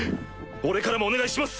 俺からもお願いします！